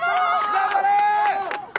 頑張れ！